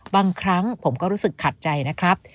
บางครั้งผมก็รู้สึกขัดใจนะครับ